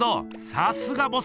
さすがボス！